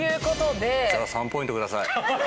じゃあ３ポイント下さい。